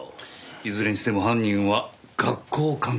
いずれにしても犯人は学校関係者？